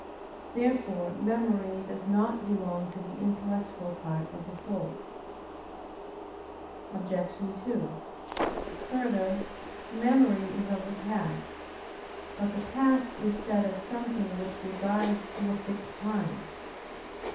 Therefore memory does not belong to the intellectual part of the soul. Obj. 2: Further, memory is of the past. But the past is said of something with regard to a fixed time.